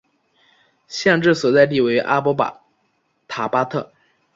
县治所在地为阿伯塔巴德。